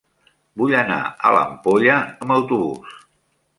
Vull anar a l'Ampolla amb autobús.